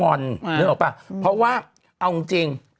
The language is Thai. เห็นหรือเปล่าเพราะว่าเอาจริง